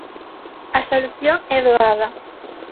A solución é doada.